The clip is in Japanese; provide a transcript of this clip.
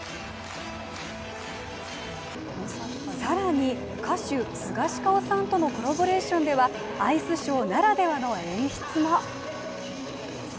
さらに歌手スガシカオさんとのコラボレーションでは、アイスショーならではの演出も。